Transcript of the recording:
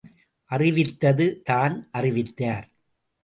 அறிவித்தது தான் அறிவித்தார்!